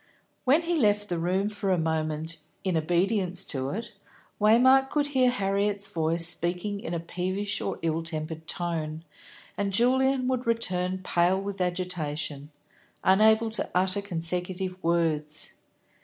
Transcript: When he left the room for a moment, in obedience to it, Waymark could hear Harriet's voice speaking in a peevish or ill tempered tone, and Julian would return pale with agitation, unable to utter consecutive words.